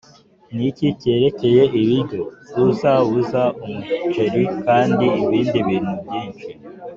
niki cyerekeye ibiryo?! uzabuza umuceri kandi ibindi bintu byinshi